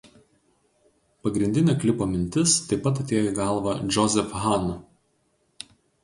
Pagrindinė klipo mintis taip pat atėjo į galvą Joseph Hahn.